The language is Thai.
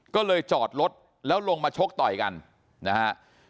ก็เลยจอดรถแล้วลงมาชกต่อยกันนะฮะ